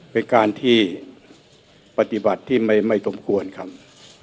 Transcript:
เป็นการที่ปฏิบัติที่ไม่สมควรครับ